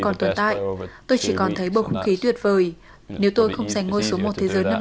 còn tồn tại tôi chỉ còn thấy bộ khủng khí tuyệt vời nếu tôi không giành ngôi số một thế giới năm